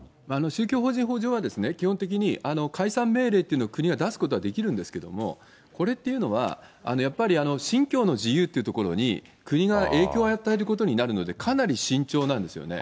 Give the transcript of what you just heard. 宗教法人法では、基本的に解散命令っていうのを国は出すことはできるんですけれども、これっていうのは、やっぱり信教の自由っていうところに国が影響を与えることになるので、かなり慎重なんですよね。